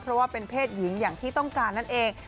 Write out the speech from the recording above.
เพราะว่าเป็นเพศหญิงอย่างที่ต้องการนั่นเอง